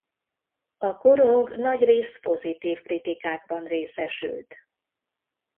A korong nagyrészt pozitív kritikákban részesült.